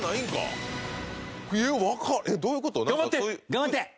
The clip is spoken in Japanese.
頑張って！